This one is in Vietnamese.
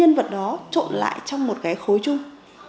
nhân vật đó trộn lại trong một cái khối chung